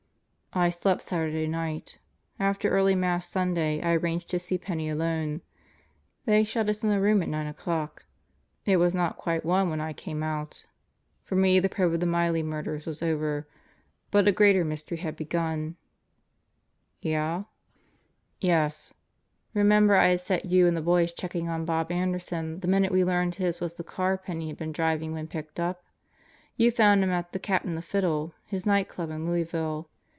"I slept Saturday night. After early Mass Sunday I arranged to see Penney alone. They shut us in a room at nine o'clock. It was not quite one when I came out. For me the probe of the Miley murders was over, but a greater mystery had begun." "Yeah?" God Goes to Murderers Row o Remember I had set you and the boys checking on Bob which we cleafcthe minute we learned his was the car Penney had been our beds on Sur.en picked up? You found him at The Cat and Fiddle/ nationally knodub in Louisville.